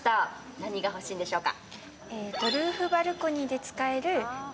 何が欲しいでしょうか？